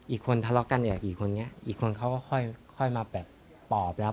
อีกคนตาลอกกันกับอีกคนไงอีกคนเขาก็ค่อยมาปอบแล้ว